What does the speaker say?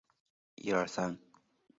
生活中的汤灿喜欢佩戴翡翠首饰。